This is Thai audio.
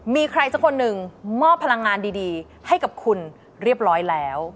มีใครสักคนหนึ่งมอบพลังงานดีให้กับคุณเรียบร้อยแล้ว